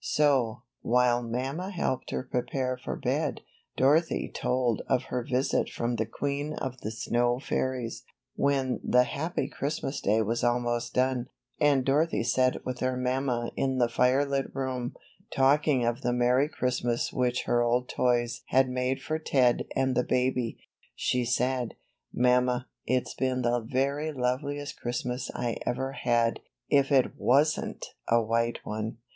So, while mamma helped her prepare for bed, Dorothy told of her visit from the queen of the snow fairies. When the happy Christmas day was almost done, and Dorothy sat with her mamma in the firelit room, talking of the merry Christ mas which her old toys had made for Ted an'd the baby, she said, ^^Mamma, it's been the very loveliest Christmas I ever had, if it wasnH a white one."